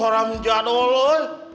orang jawa loh